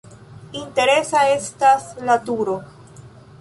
Interesa estas la turo.